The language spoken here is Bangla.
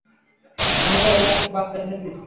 আমরা একটা বার্তা এনেছি।